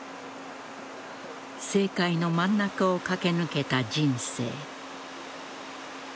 政界の真ん中を駆け抜けた人生。